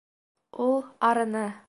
Ул арыны.